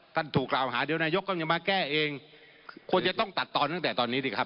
ถูกกล่าวหาเดี๋ยวนายกก็จะมาแก้เองควรจะต้องตัดตอนตั้งแต่ตอนนี้ดีครับ